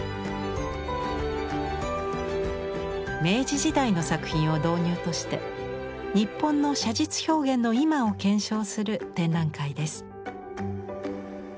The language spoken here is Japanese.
明治時代の作品を導入として日本の写実表現の今を検証する展覧会です。